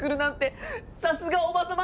さすがおば様！